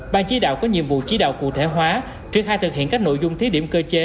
ban chỉ đạo có nhiệm vụ chỉ đạo cụ thể hóa triển khai thực hiện các nội dung thí điểm cơ chế